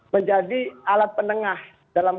menjadi alat penengah dalam